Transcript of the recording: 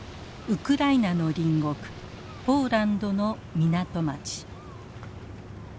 ウクライナの隣国ポーランドの港町。